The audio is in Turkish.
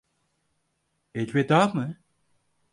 Elveda mı?